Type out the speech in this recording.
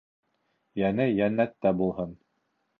Йәне йәннәттә булһын!